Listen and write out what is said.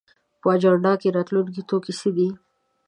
په اجنډا کې راتلونکی توکي څه دي؟